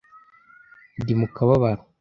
ndi mu kababaro